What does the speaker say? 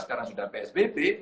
sekarang sudah psbb